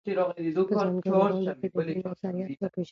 په ځانګړو غونډو کې د دوی نظریات وپېژنئ.